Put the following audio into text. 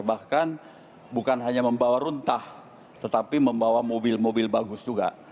bahkan bukan hanya membawa runtah tetapi membawa mobil mobil bagus juga